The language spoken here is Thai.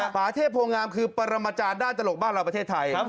ป่าเทพโพงามคือปรมาจารย์ด้านตลกบ้านเราประเทศไทย